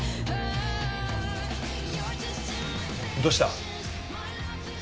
どうした？